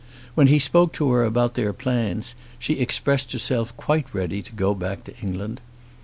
When he spoke to her about their plans, she expressed herself quite ready to go back to England.